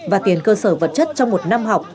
và tiền cơ sở vật chất trong một năm học